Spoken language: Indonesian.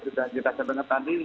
sudah kita ketemu tadi